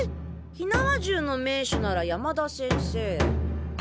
火縄銃の名手なら山田先生？